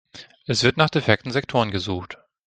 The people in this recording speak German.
Es wird nach defekten Sektoren gesucht.